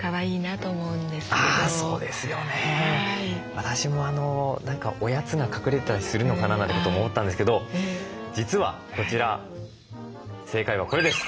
私も何かおやつが隠れてたりするのかななんてことも思ったんですけど実はこちら正解はこれです！